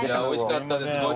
おいしかったです。